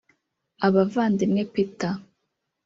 Abavandimwe Peter